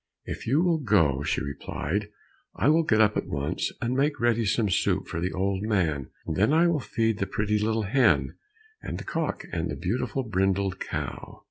"If you will go," she replied, "I will get up at once and make ready some soup for the old man, and then I will feed the pretty little hen, and the cock, and the beautiful brindled cow."